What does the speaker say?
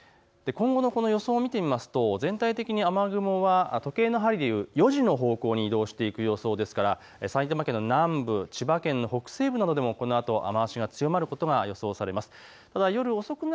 今後の予想を見てみますと全体的に雨雲は時計の針でいう４時の方向に移動していく予想ですから埼玉県の南部、千葉県の北西部などでもこのあと雨足が強まることが予想されます。